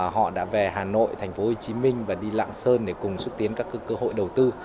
họ đã về hà nội thành phố hồ chí minh và đi lạng sơn để cùng xúc tiến các cơ hội đầu tư